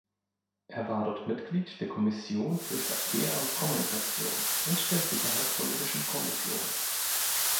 Er war dort Mitglied der Kommission für Verkehr und Kommunikation und der Sicherheitspolitischen Kommission.